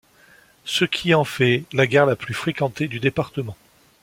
Ce qui en fait la gare la plus fréquentée du département.